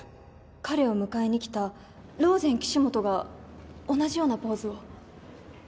彼を迎えに来たローゼン岸本が同じようなポーズを。